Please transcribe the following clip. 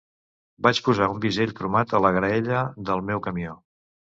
Vaig posar un bisell cromat a la graella del meu camió.